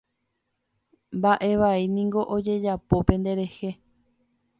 Mba'e vai niko ojejapo penderehe.